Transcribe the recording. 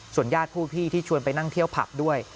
ญาติผู้พี่ที่ชวนไปนั่งเที่ยวผับด้วย